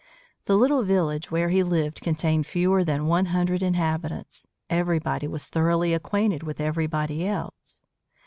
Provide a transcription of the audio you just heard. The little village where he lived contained fewer than one hundred inhabitants. Everybody was thoroughly acquainted with everybody else.